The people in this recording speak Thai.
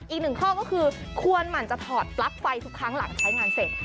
อีกหนึ่งข้อก็คือควรหมั่นจะถอดปลั๊กไฟทุกครั้งหลังใช้งานเสร็จ